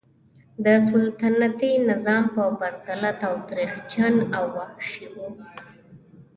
د سلطنتي نظام په پرتله تاوتریخجن او وحشي و.